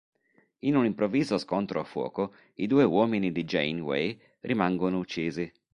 In un improvviso scontro a fuoco i due uomini di Janeway rimangono uccisi.